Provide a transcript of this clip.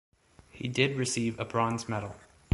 He did receive a bronze medal.